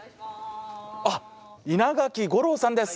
あっ稲垣吾郎さんです。